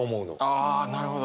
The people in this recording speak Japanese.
あなるほど。